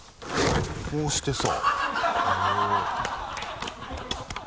こうしてさ。